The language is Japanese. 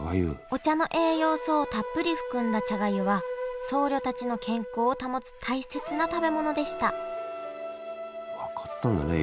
お茶の栄養素をたっぷり含んだ茶がゆは僧侶たちの健康を保つ大切な食べ物でした分かってたんだね